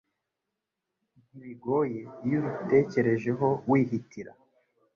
ntibigoye iyo ubitekerejeho wihitira